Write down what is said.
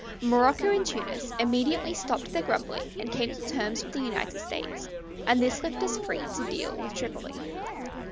Morocco and Tunis immediately stopped their grumbling and came to terms with the United States, and this left us free to deal with Tripoli.